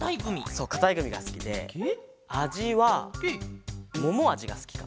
そうかたいグミがすきであじはももあじがすきかな。